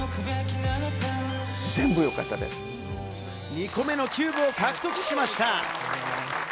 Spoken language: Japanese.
２個目のキューブを獲得しました。